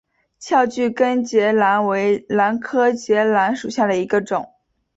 翘距根节兰为兰科节兰属下的一个种。